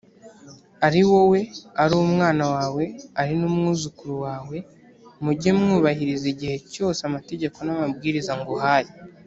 ari wowe, ari umwana wawe, ari n’umwuzukuru wawe, mujye mwubahiriza igihe cyose amategeko n’amabwiriza nguhaye,